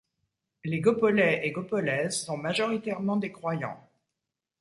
Les Gopolais et Gopolaises sont majoritairement des croyants.